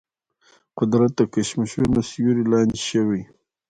قدرت کشمکشونو سیوري لاندې شوي.